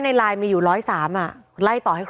ก็เป็นสถานที่ตั้งมาเพลงกุศลศพให้กับน้องหยอดนะคะ